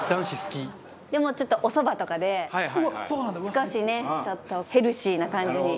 でも、ちょっとお蕎麦とかで少しねちょっとヘルシーな感じに。